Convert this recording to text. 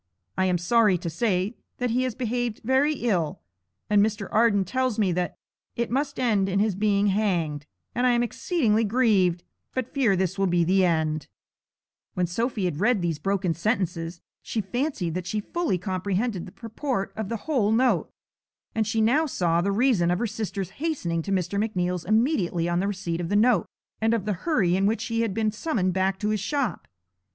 I am sorry to say that he has behaved very ill And Mr. Arden tells me that it must end in his being hanged I am exceedingly grieved but fear this will be the end.' [Illustration: She read it with trembling impatience.] When Sophy had read these broken sentences she fancied that she fully comprehended the purport of the whole note, and she now saw the reason of her sister's hastening to Mr. McNeal's immediately on the receipt of the note, and of the hurry in which he had been summoned back to his shop.